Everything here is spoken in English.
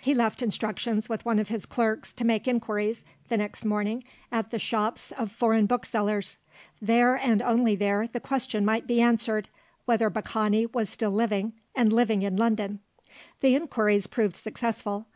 He left instructions with one of his clerks to make inquiries, the next morning, at the shops of foreign booksellers. There, and there only, the question might be answered, whether Baccani was still living, and living in London. The inquiries proved successful.